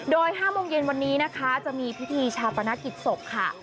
โดย๕โมงเย็นวันนี้นะคะจะมีพิธีชาปนกิจศพค่ะ